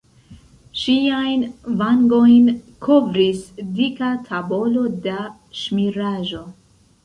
Ŝiajn vangojn kovris dika tabolo da ŝmiraĵo.